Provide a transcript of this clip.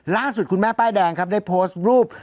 ล่าสุดคุณแม่ป้ายแดงครับได้โพสต์รูป